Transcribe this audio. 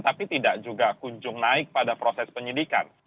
tapi tidak juga kunjung naik pada proses penyidikan